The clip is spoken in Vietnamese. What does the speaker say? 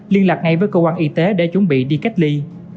liên lạc ngay với cơ quan y tế để chuẩn bị đi cách ly